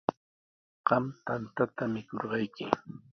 Qam tantata mikurqayki.